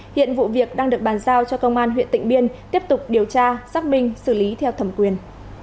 hiện vụ việc đang được bàn giao cho công an huyện tịnh biên tiếp tục điều tra xác minh xử lý theo thẩm quyền